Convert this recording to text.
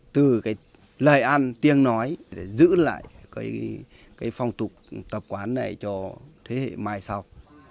từ cái lời ăn tiếng nói để giữ lại cái phong tục tập quán này cho thế hệ mai sau